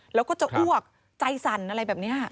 แล้วก็จะอ้วกใจสั่นอะไรแบบนี้